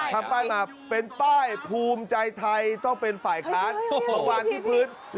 ทำป้ายมาเป็นป้ายภูมิใจไทยต้องเป็นฝ่ายค้านมาวางที่พื้น